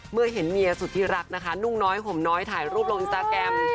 เมื่อเห็นเมียสุดที่รักนะคะนุ่งน้อยห่มน้อยถ่ายรูปลงอินสตาแกรม